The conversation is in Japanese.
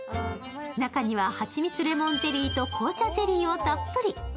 中には蜂蜜レモンゼリーと紅茶ゼリーをたっぷり。